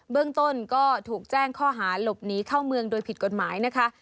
เรื่องต้นก็ถูกแจ้งข้อหาหลบหนีเข้าเมืองโดยผิดกฎหมายนะคะ